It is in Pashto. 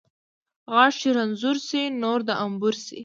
ـ غاښ چې رنځور شي ، نور د انبور شي .